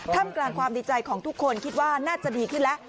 ทำกลางความดีใจของทุกคนคิดว่าน่าจะดีขึ้นแล้ว